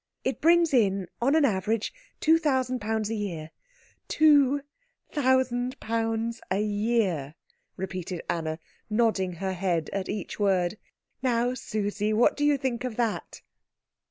It brings in, on an average, two thousand pounds a year. Two thousand pounds a year," repeated Anna, nodding her head at each word. "Now, Susie, what do you think of that?"